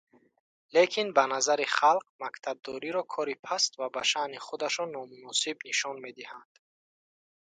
Лекин ба назари халқ мактабдориро кори паст ва ба шаъни худашон номуносиб нишон медиҳанд.